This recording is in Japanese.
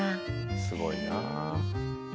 すごいなあ。